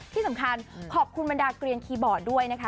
ที่สำคัญขอบคุณบรรดาเกลียนคีย์บอร์ดด้วยนะคะ